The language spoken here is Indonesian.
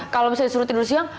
kalau misalnya disuruh tidur siang